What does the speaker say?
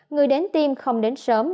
người đến tiêm không đến sớm